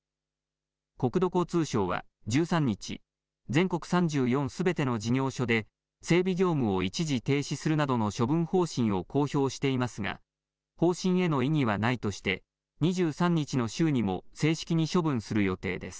国土交通省は１３日、全国３４すべての事業所で整備業務を一時停止するなどの処分方針を公表していますが、方針への異議はないとして、２３日の週にも正式に処分する予定です。